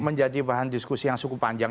menjadi bahan diskusi yang cukup panjang